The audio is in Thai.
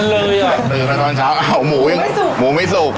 เหมือนกันเลยอ่ะอ่าวหมู่ไม่สุกหมูไม่สุก